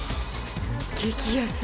激安。